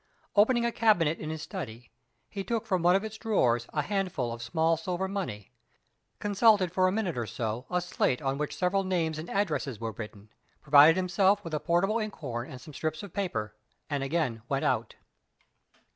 Opening a cabinet in his study, he took from one of its drawers a handful of small silver money, consulted for a minute or so a slate on which several names and addresses were written, provided himself with a portable inkhorn and some strips of paper, and again went out.